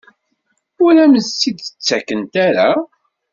Ur am-tt-id-ttakent ara?